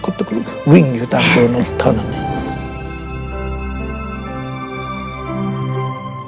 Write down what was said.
โปรดติดตามตอนต่อไป